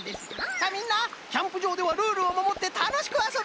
さあみんなキャンプじょうではルールをまもってたのしくあそびましょうね！